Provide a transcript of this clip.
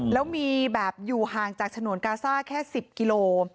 แล้วมีแบบอยู่ห่างจากฉนวนกาซ่าแค่๑๐กิโล